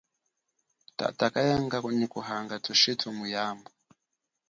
Tata kayanga nyi kuhanga thushitu muyambu.